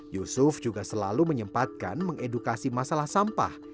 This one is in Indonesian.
yusuf juga selalu menyempatkan mengedukasi masalah sampah